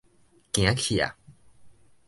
行去矣